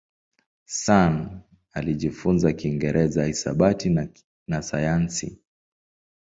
Sun alijifunza Kiingereza, hisabati na sayansi.